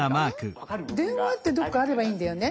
「電話」ってどこかあればいいんだよね。